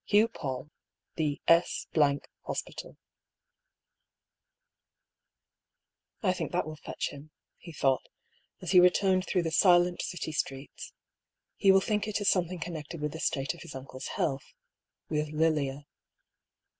Hugh Paull, i* The S Hospital:' 70 I>R. PAULL'S THEORY. " I think that will fetch him," he thought, as he returned through the silent City streets. "He will think it is something connected with the state of his uncle's health — with Lilia."